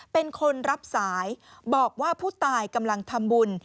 เป็นคนรับสายบอกว่าผู้ตายกำลังทำบุญ